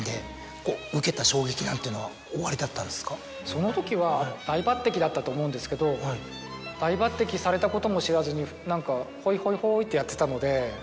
その時は大抜擢だったと思うんですけど大抜擢されたことも知らずに何かホイホイホイってやってたので。